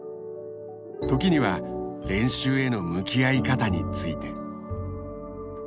時には練習への向き合い方について。